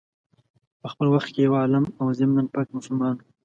په خپل وخت کي یو عالم او ضمناً پاک مسلمان وو.